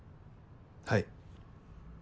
はい。